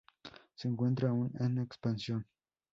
Se encuentra aún en expansión.